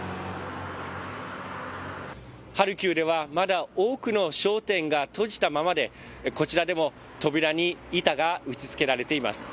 ハルキウではまだ多くの商店が閉じたままで、こちらでも扉に板が打ちつけられています。